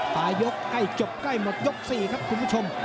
ปลายกใกล้จบใกล้หมดยก๔ครับคุณผู้ชม